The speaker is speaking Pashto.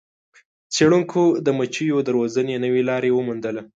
څیړونکو د مچیو د روزنې نوې لاره وموندله.